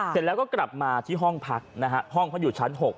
เสร็จแล้วไปกดกลับมาชนพักห้องพออยู่ชั้น๖